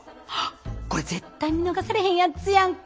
これ絶対見逃されへんやつやんか。